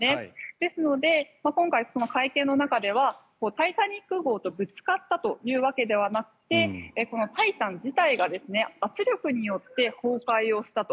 ですので、今回、この会見の中で「タイタニック号」とぶつかったというわけではなくて「タイタン」自体が圧力によって崩壊をしたと。